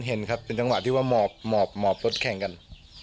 เห็นครับเป็นจังหวะที่ว่าหมอบหมอบรถแข่งกัน